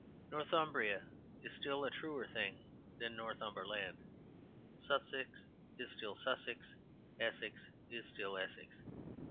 Northumbria is still a truer thing than Northumberland. Sussex is still Sussex; Essex is still Essex.